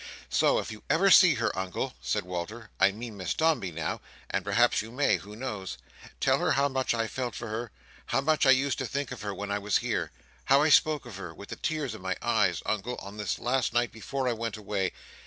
"So, if you ever see her, Uncle," said Walter, "I mean Miss Dombey now—and perhaps you may, who knows!—tell her how much I felt for her; how much I used to think of her when I was here; how I spoke of her, with the tears in my eyes, Uncle, on this last night before I went away.